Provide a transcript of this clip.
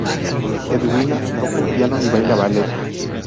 Edwina toca el piano y baila ballet.